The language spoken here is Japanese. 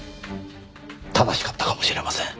正しかったかもしれません。